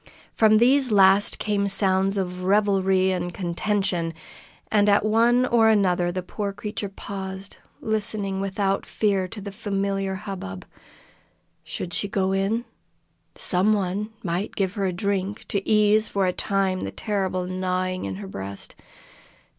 From these last came sounds of revelry and contention, and at one or another the poor creature paused, listening without fear to the familiar hubbub. Should she go in? Some one might give her a drink, to ease for a time the terrible gnawing at her breast.